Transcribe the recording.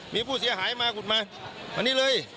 มีผู้เสียหายมาขุดมามานี่เลย